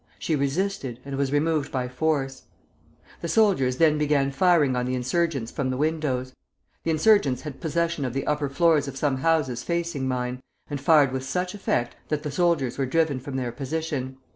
She resisted, and was removed by force. The soldiers then began firing on the insurgents from the windows. The insurgents had possession of the upper floors of some houses facing mine, and fired with such effect that the soldiers were driven from their position.